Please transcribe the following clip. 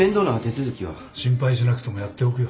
心配しなくてもやっておくよ。